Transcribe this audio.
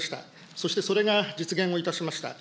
そして、それが実現をいたしました。